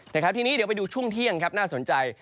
แต่ทีนี้เดี๋ยวไปดูช่วงเที่ยงครับน่าสนใจ